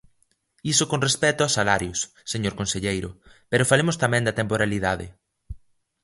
Iso con respecto aos salarios, señor conselleiro, pero falemos tamén da temporalidade.